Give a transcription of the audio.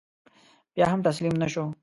بیا هم تسلیم نه شو.